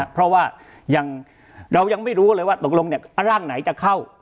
เพราะว่าเรายังไม่รู้เลยว่าตกลงร่างไหนจะเข้า